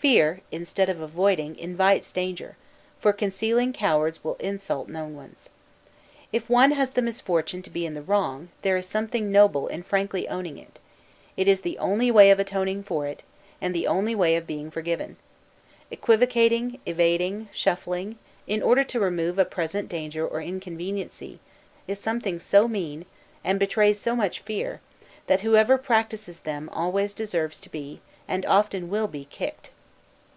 Fear, instead of avoiding, invites danger; for concealed cowards will insult known ones. If one has had the misfortune to be in the wrong, there is something noble in frankly owning it; it is the only way of atoning for it, and the only way of being forgiven. Equivocating, evading, shuffling, in order to remove a present danger or inconveniency, is something so mean, and betrays so much fear, that whoever practices them always deserves to be, and often will be kicked.